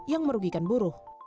yang merugikan buruh